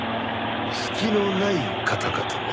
隙のない方かと。